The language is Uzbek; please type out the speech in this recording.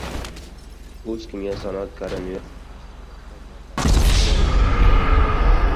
«O‘zkimyosanoat» koronavirusga qarshi kurashda yordamini beg‘araz taqdim etdi